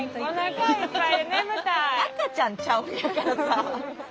赤ちゃんちゃうんやからさ。